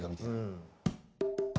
うん。